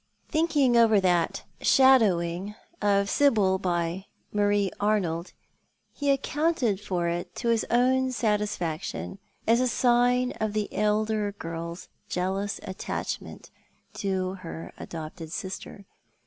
Thinking over that " shadowing " of Sibyl by Marie Arnold, he accounted for it to his own satisfaction as a sign of the elder girl's jealous attachment to her adopted sister.